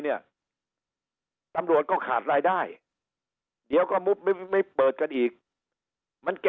เนี่ยตำรวจก็ขาดรายได้เดี๋ยวก็มุบไม่ไม่เปิดกันอีกมันแก่